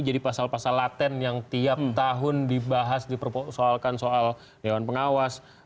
jadi pasal pasal laten yang tiap tahun dibahas dipersoalkan soal dewan pengawas